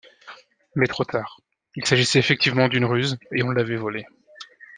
Mais trop tard, il s'agissait effectivement d'une ruse et on l'avait volé.